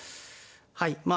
はいまあ